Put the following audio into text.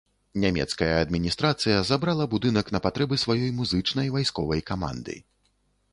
Нямецкая адміністрацыя забрала будынак на патрэбы сваёй музычнай вайсковай каманды.